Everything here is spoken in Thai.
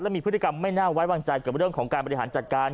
มีพฤติกรรมไม่น่าไว้วางใจกับเรื่องของการบริหารจัดการ